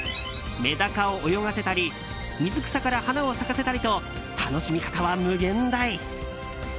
メダカを泳がせたり水草から花を咲かせたりと楽しみ方は無限大。